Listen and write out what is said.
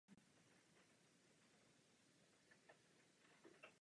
Pohybuje se na hranici nebo za hranicí etických pravidel.